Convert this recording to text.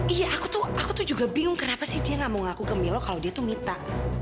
iya aku tuh aku tuh juga bingung kenapa sih dia nggak mau ngaku ke milo kalau dia tuh mita